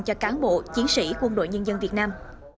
cho cán bộ chiến sĩ quân đội nhân dân việt nam